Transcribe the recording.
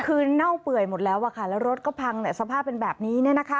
คือเน่าเปื่อยหมดแล้วอะค่ะแล้วรถก็พังสภาพเป็นแบบนี้